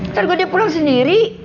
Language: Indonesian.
ntar gue dia pulang sendiri